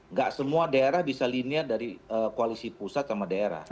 nggak semua daerah bisa linear dari koalisi pusat sama daerah